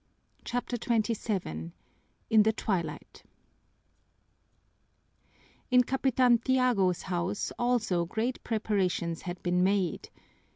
CHAPTER XXVII In the Twilight In Capitan Tiago's house also great preparations had been made.